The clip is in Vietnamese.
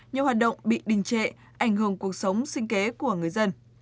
nhiều hoạt động bị đình trệ ảnh hưởng cuộc sống sinh kế của người dân